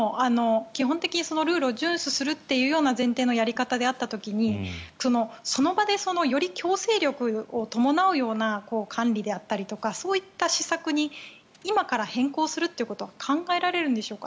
基本的にそのルールを順守するという前提でのやり方の時にその場でより強制力を伴うような管理であったりとかそういった施策に今から変更するということは考えられるんでしょうか。